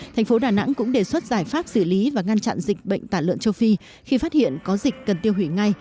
thành phố đà nẵng cũng đề xuất giải pháp xử lý và ngăn chặn dịch bệnh tả lợn châu phi khi phát hiện có dịch cần tiêu hủy ngay